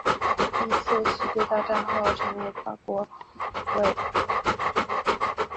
第一次世界大战后成为法国委任统治地。